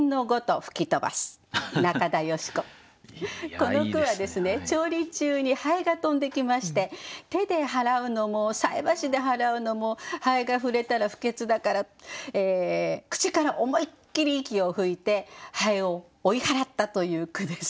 この句は調理中に蠅が飛んできまして手で払うのも菜箸で払うのも蠅が触れたら不潔だから口から思いっきり息を吹いて蠅を追い払ったという句です。